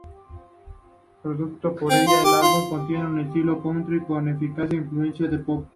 Producido por ella, el álbum contiene un estilo country, con escasas influencias de pop.